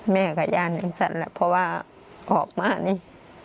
แม่กับย่าเน้นสั่นแหละเพราะว่าออกมานี่